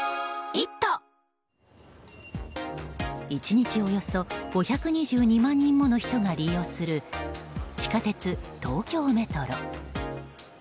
１日およそ５２２万人もの人が利用する地下鉄東京メトロ。